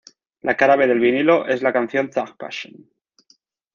La cara-B del vinilo es la canción "Thug Passion".